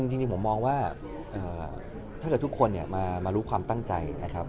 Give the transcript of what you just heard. แน่นอนครับจริงผมมองว่าถ้าจะทุกคนมารู้ความตั้งใจนะครับ